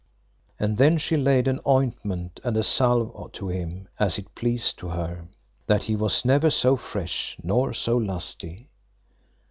And then she laid an ointment and a salve to him as it pleased to her, that he was never so fresh nor so lusty.